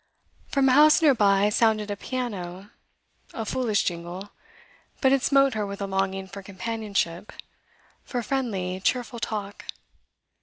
From a house near by sounded a piano; a foolish jingle, but it smote her with a longing for companionship, for friendly, cheerful talk.